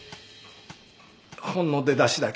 ほんの出だしだけ。